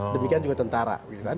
demikian juga tentara